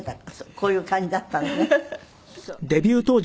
こういう感じだったのねそう。